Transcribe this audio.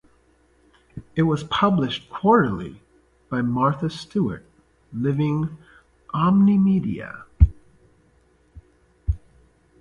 It was published quarterly by Martha Stewart Living Omnimedia.